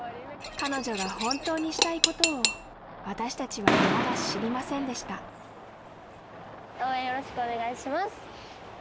彼女が本当にしたいことを私たちはまだ知りませんでした応援よろしくお願いします！